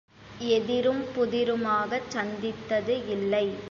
எதிரும் புதிருமாகச் சந்தித்தது இல்லை.